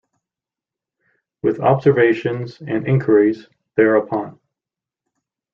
With Observations and Inquiries Thereupon.